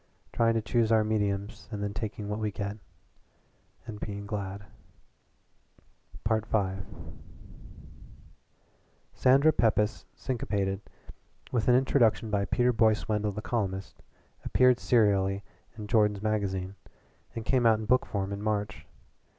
Trying to choose our mediums and then taking what we get and being glad." V "Sandra Pepys, Syncopated," with an introduction by Peter Boyce Wendell the columnist, appeared serially in JORDAN'S MAGAZINE, and came out in book form in March.